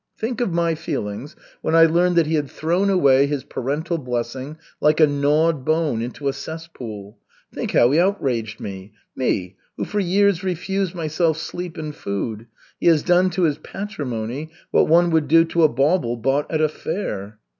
Think of my feelings when I learned that he had thrown away his parental blessing like a gnawed bone into a cesspool. Think how he outraged me, me, who for years refused myself sleep and food. He has done to his patrimony what one would do to a bauble bought at a fair."